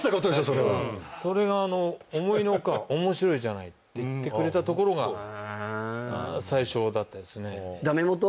それはそれがあの思いのほかって言ってくれたところが最初だったですね